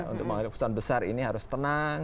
untuk mengalami perusahaan besar ini harus tenang